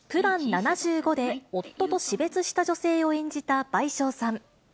７５で夫と死別した女性を演じた倍賞さん。